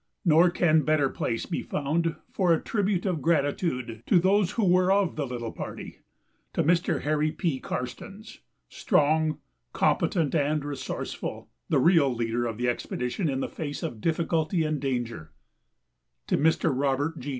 Nor can better place be found for a tribute of gratitude to those who were of the little party: to Mr. Harry P. Karstens, strong, competent, and resourceful, the real leader of the expedition in the face of difficulty and danger; to Mr. Robert G.